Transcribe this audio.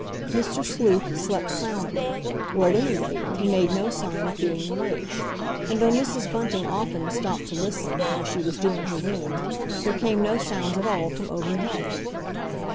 Mr. Sleuth slept soundly, or, at any rate, he made no sign of being awake; and though Mrs. Bunting often, stopped to listen, while she was doing her room, there came no sounds at all from overhead.